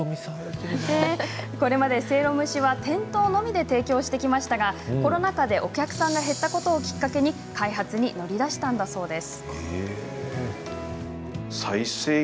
これまでせいろ蒸しは店頭のみで提供してきましたがコロナ禍で、お客さんが減ったことをきっかけに開発に乗り出したんだそうです。